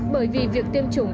bởi vì việc tiêm chủng